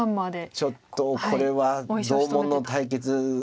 ちょっとこれは同門の対決